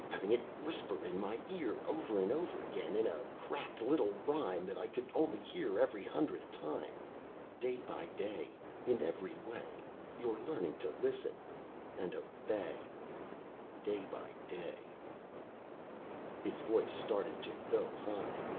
Having it whisper in my ear, over and over again, in a cracked little rhyme that I could only hear every hundredth time, 'Day by day, in every way, you're learning to listen ... and obey. Day by day '" His voice started to go high.